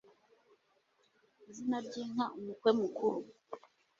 izina ry'inka umukwe mukuru